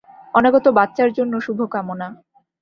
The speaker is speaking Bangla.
অনাগত বাচ্চার জন্য শুভকামনা।